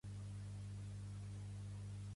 Què no havia finalitzat en l'esperit de don Gaspar?